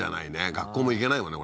学校も行けないもんね